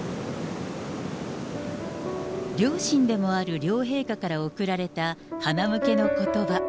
両親でもある両陛下から贈られたはなむけのことば。